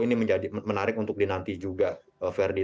ini menjadi menarik untuk dinanti juga ferdi